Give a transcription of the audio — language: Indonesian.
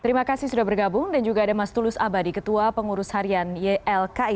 terima kasih sudah bergabung dan juga ada mas tulus abadi ketua pengurus harian ylki